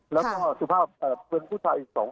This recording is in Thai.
แล้วก็สุภาพเพื่อนผู้ใจ๒คน